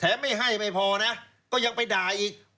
ไม่ให้ไม่พอนะก็ยังไปด่าอีก